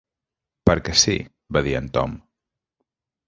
"Per què, sí", va dir en Tom.